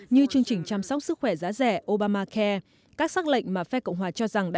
như chương trình chăm sóc sức khỏe giá rẻ obamacare